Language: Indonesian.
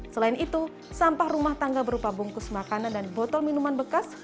selain itu sampah rumah tangga berupa bungkus makanan dan botol minuman bekas